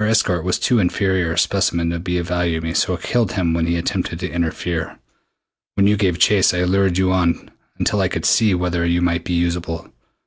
Her escort was too inferior a specimen to be of value to me so I killed him when he attempted to interfere. When you gave chase I lured you on until I could see whether you might be usable.